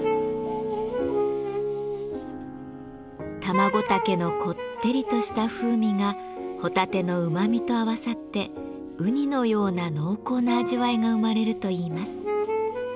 タマゴタケのこってりとした風味がホタテのうまみと合わさってウニのような濃厚な味わいが生まれるといいます。